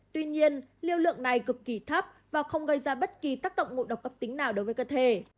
tuy nhiên lưu lượng này cực kỳ thấp và không gây ra bất kỳ tác động ngộ độc cấp tính nào đối với cơ thể